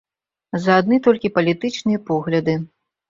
За адны толькі палітычныя погляды.